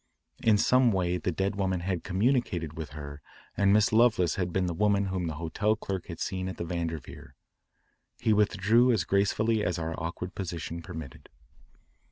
In some way the dead woman had communicated with her and Miss Lovelace had been the woman whom the hotel clerk had seen at the Vanderveer. We withdrew as gracefully as our awkward position permitted.